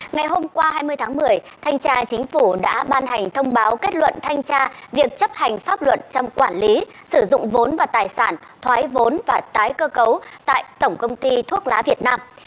ngày hôm qua hai mươi tháng một mươi thanh tra chính phủ đã ban hành thông báo kết luận thanh tra việc chấp hành pháp luật trong quản lý sử dụng vốn và tài sản thoái vốn và tái cơ cấu tại tổng công ty thuốc lá việt nam